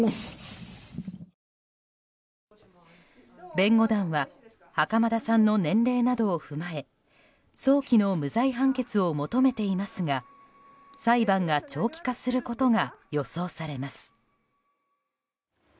弁護団は袴田さんの年齢などを踏まえ早期の無罪判決を求めていますが裁判が長期化することが予想されます。